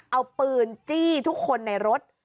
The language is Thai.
เอาปืนจี้ทุกคนในรถ